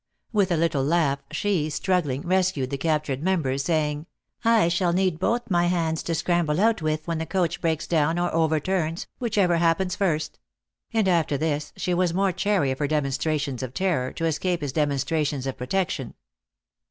With a little laugh, she, struggling, rescued the captured member, saying, "I shall need both my hands to scramble out with when the coach breaks down or overturns, whichever happens first," and after this she was more chary of her demonstra tions of terror, to escape his demonstrations of protec tion.